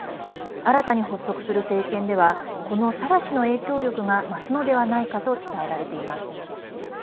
新たに発足する政権ではこのサラ氏の影響力が増すのではないかと伝えられています。